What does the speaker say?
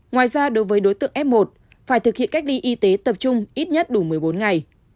ngoài ra đối với đối tượng f một phải thực hiện cách ly y tế tập trung ít nhất đủ một mươi bốn ngày